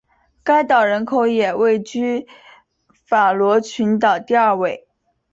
该岛人口也位居法罗群岛第二位。